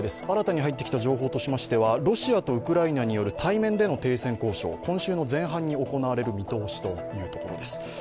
新たに入ってきた情報としましては、ロシアとウクライナによる対面での停戦交渉、今週の前半に行われる見通しということです。